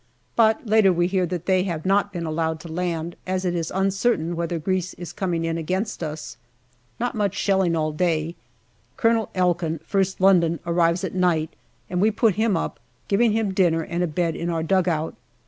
But later we hear that they have not been allowed to land, as it is uncer OCTOBER 243 certain whether Greece is coming in against us. Not much shelling all day. Colonel Ekin, ist London, arrives at night and we put him up, giving him dinner and a bed in our dugout.